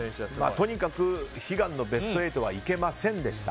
とにかく悲願のベスト８は行けませんでした。